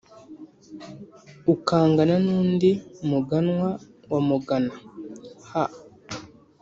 ukangana n’undu muganwa wa mugana her